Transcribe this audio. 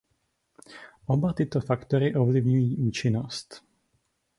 Oba tyto faktory ovlivňují účinnost.